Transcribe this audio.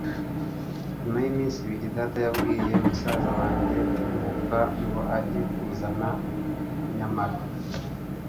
nyuma y'iminsi ibiri, data yabwiye musaza wanjye tumuka, ngo ajye kuzana nyamalo